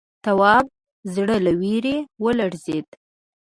تواب زړه له وېرې ولړزېد.